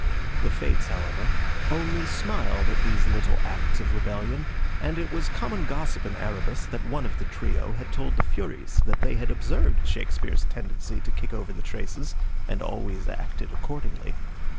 The Fates, however, only smiled at these little acts of rebellion, and it was common gossip in Erebus that one of the trio had told the Furies that they had observed Shakespeare's tendency to kick over the traces, and always acted accordingly.